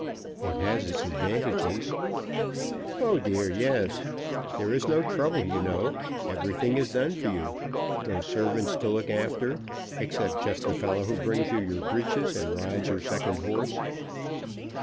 "It has its advantages." "Oh dear, yes. There is no trouble, you know. Everything done for you. No servants to look after, except just the fellow who brings you your breeches and rides your second horse."